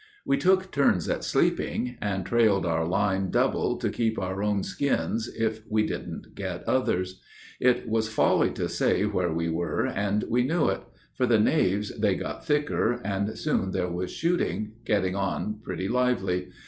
We took turns at sleeping, and trailed our line double To keep our own skins, if we didn't get others. It was folly to stay where we were, and we knew it, For the knaves they got thicker, and soon there was shooting Going on pretty lively.